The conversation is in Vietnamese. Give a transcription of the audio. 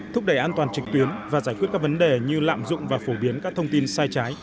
thúc đẩy an toàn trực tuyến và giải quyết các vấn đề như lạm dụng và phổ biến các thông tin sai trái